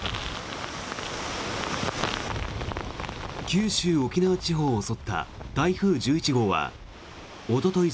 九州・沖縄地方を襲った台風１１号はおととい